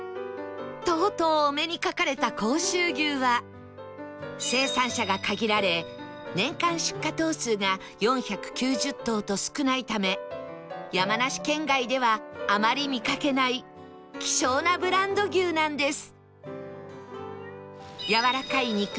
とうとうお目にかかれた甲州牛は生産者が限られ年間出荷頭数が４９０頭と少ないため山梨県外ではあまり見かけない希少なブランド牛なんです